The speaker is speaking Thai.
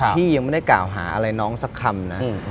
พี่ยังไม่ได้กล่าวหาอะไรน้องสักคำนะ